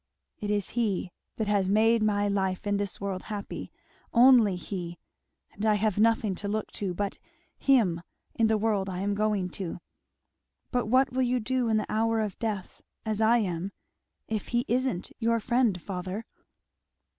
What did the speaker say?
It is he that has made my life in this world happy only he and I have nothing to look to but him in the world I am going to. But what will you do in the hour of death, as I am, if he isn't your friend, father?"